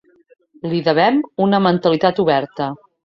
Li devem una mentalitat oberta.